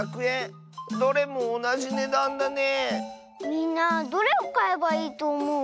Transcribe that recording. みんなどれをかえばいいとおもう？